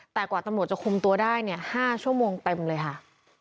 แต่กว่าตัวโหมดจะคุมตัวได้๕ชั่วโมงเต็มเลยค่ะ